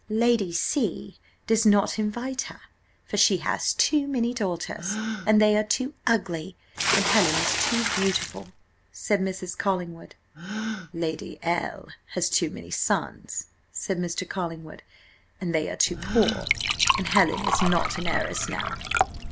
"Lady C does not invite her, for she has too many daughters, and they are too ugly, and Helen is too beautiful," said Mrs. Collingwood. "Lady L has too many sons," said Mr. Collingwood, "and they are too poor, and Helen is not an heiress now."